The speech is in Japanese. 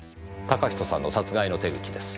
嵩人さんの殺害の手口です。